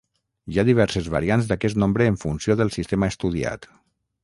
Hi ha diverses variants d'aquest nombre en funció del sistema estudiat.